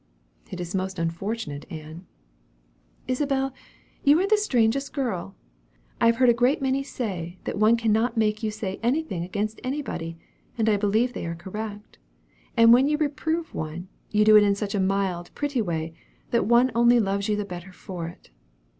"It is most unfortunate, Ann." "Isabel, you are the strangest girl! I have heard a great many say, that one cannot make you say anything against anybody; and I believe they are correct. And when you reprove one, you do it in such a mild, pretty way, that one only loves you the better for it.